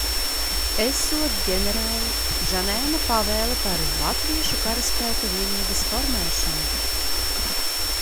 Esot ģenerāļa Žanēna pavēle par latviešu karaspēka vienības formēšanu.